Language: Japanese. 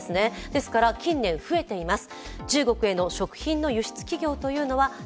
ですから近年増えています。